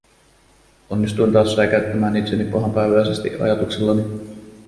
Onnistuin taas säikäyttämään itseni pahanpäiväisesti ajatuksillani.